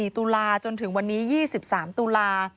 ตุลาจนถึงวันนี้๒๓ตุลา